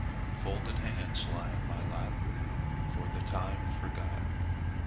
Folded hands lie in my lap, for the time forgot.